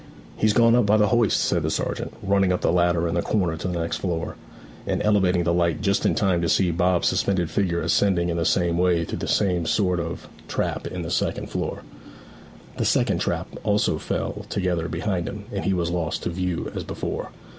'He's gone up by the hoist!' said the sergeant, running up the ladder in the corner to the next floor, and elevating the light just in time to see Bob's suspended figure ascending in the same way through the same sort of trap into the second floor. The second trap also fell together behind him, and he was lost to view as before.